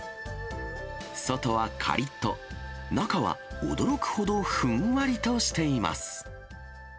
外はかりっと、中は驚くほどふんわりとしています。